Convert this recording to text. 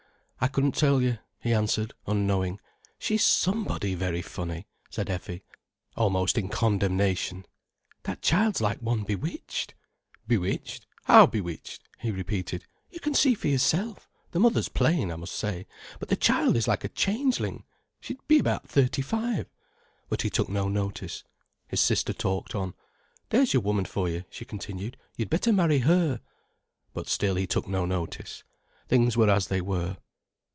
"I couldn't tell you," he answered unknowing. "She's somebody very funny," said Effie, almost in condemnation. "That child's like one bewitched." "Bewitched—how bewitched?" he repeated. "You can see for yourself. The mother's plain, I must say—but the child is like a changeling. She'd be about thirty five." But he took no notice. His sister talked on. "There's your woman for you," she continued. "You'd better marry her." But still he took no notice. Things were as they were.